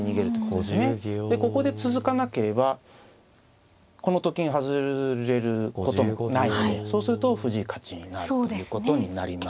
ここで続かなければこのと金外れることもないのでそうすると藤井勝ちになるということになります。